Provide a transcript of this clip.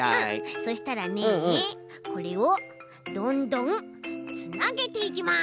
そしたらねこれをどんどんつなげていきます！